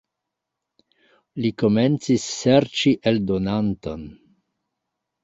Li komencis serĉi eldonanton.